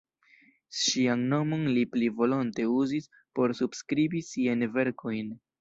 Ŝian nomon li pli volonte uzis por subskribi siajn verkojn.